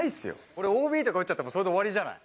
俺、ＯＢとか打っちゃったら、それで終わりじゃない。